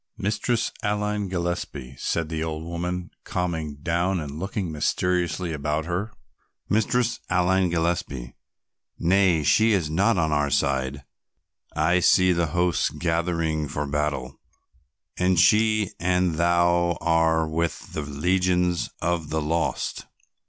"Mistress Aline Gillespie," said the old woman calming down and looking mysteriously about her. "Mistress Aline Gillespie, nay, she is not on our side. I see the hosts gathering for battle and she and thou are with the legions of the lost.